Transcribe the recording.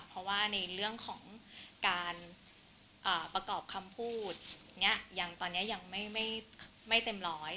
เพราะว่าในเรื่องของการประกอบคำพูดนี้ยังตอนนี้ยังไม่เต็มร้อย